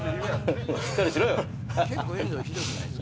しっかりしろよハハハ。